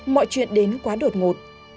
mọi chuyện đến quá đột ngột